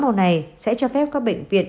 mã màu này sẽ cho phép các bệnh viện